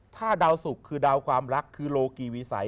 ถ้าดาวสุกคือดาวความรักคือโลกีวิสัย